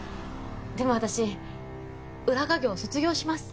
でも私裏稼業卒業します。